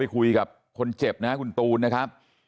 ไม่รู้ตอนไหนอะไรยังไงนะ